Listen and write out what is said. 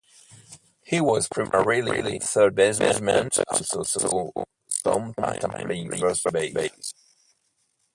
He was primarily a third baseman but also saw some time playing first base.